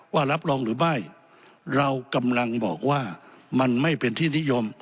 รับรองหรือไม่เรากำลังบอกว่ามันไม่เป็นที่นิยม